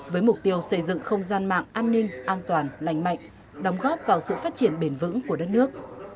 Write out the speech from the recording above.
với mục tiêu xây dựng không gian mạng an ninh an toàn lành mạnh đóng góp vào sự phát triển bền vững của đất nước